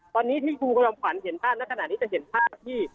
ตอนนี้ถึงที่ภูครองขวัญเห็นภาพแล้วขณะนี้จะเห็นภาพที่